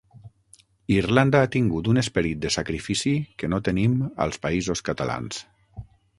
Irlanda ha tingut un esperit de sacrifici que no tenim als Països Catalans.